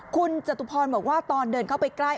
คุณจตุพรบอกว่าตอนเดินเข้าไปใกล้